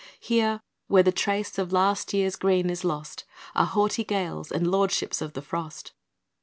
Here, where the trace of last year's green is lost, Are haughty gales, and lordships of the frost.